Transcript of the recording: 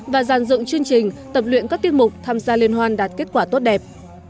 và dàn dựng chương trình tập luyện các tiết mục tham gia liên hoan đạt kết quả tốt đẹp